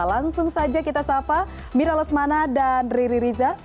langsung saja kita sapa mira lesmana dan riri riza